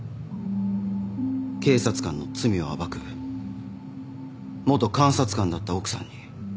警察官の罪を暴く元監察官だった奥さんに。